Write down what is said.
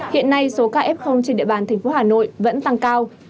hiện nay số kf trên địa bàn thành phố hà nội vẫn tăng cao